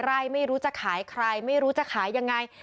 ไร่ไม่รู้จะขายใครไม่รู้จะขายยังไง